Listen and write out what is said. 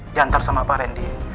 diantar sama pak randy